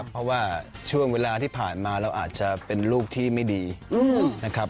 เพราะว่าช่วงเวลาที่ผ่านมาเราอาจจะเป็นลูกที่ไม่ดีนะครับ